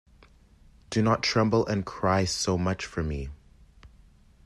Do not tremble and cry so much for me.